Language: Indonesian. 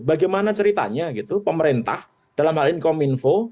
bagaimana ceritanya gitu pemerintah dalam hal income info